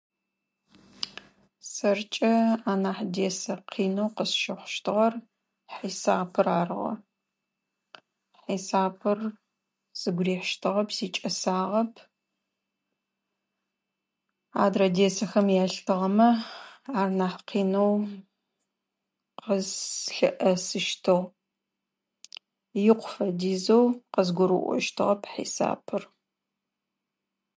Сэркӏэ анахь дерсэу къинэу къысщыхъущтыгъэр хьисапыр арыгъэ. Хьисапыр сыгу рихьыщтыгъэп, сикӏэсагъэп. Адрэ дерсхэм ялъытыгъэмэ, ар нахь къинэу къыслъыхъуасэщтыгъ, икъу фэдизэу къызгурыӏощтыгъэп хьисапыр.